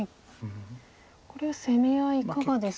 これは攻め合いいかがですか？